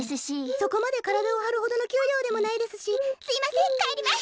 そこまでからだをはるほどのきゅうりょうでもないですしすいませんかえります。